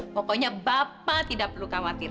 pokoknya bapak tidak perlu khawatir